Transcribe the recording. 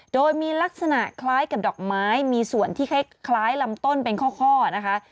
โดยมีลักษณะคล้ายกับดอกไม้มีส่วนที่คล้ายลำต้นเป็นข้อนะคะ